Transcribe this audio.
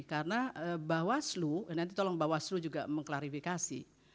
karena bawaslu nanti tolong bawaslu juga mengklarifikasi